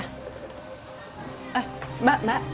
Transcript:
ah mbak mbak